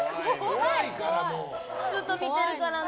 ずっと見てるからね。